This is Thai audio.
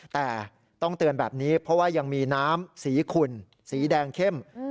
แต่ต้องเตือนแบบนี้เพราะว่ายังมีน้ำสีขุ่นสีแดงเข้ม